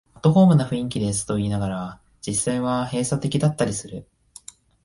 アットホームな雰囲気ですと言いながら、実際は閉鎖的だったりする